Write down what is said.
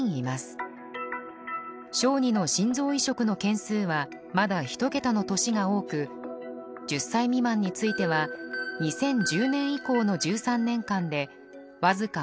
小児の心臓移植の件数はまだ１桁の年が多く１０歳未満については２０１０年以降の１３年間でわずか３２件。